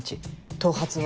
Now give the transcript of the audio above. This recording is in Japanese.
頭髪は。